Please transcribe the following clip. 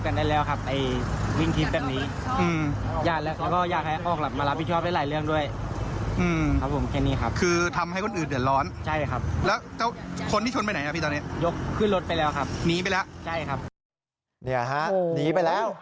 นี่เหรอครับหนีไปแล้ว